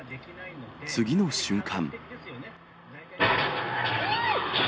次の瞬間。